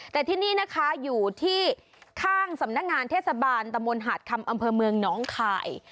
แต่ที่นี่นะคะอยู่ที่ข้างสำนักงานเทศบาลตะมนต์หาดคำอำเภอเมืองน้องคาย